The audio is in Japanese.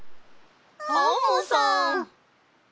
アンモさん！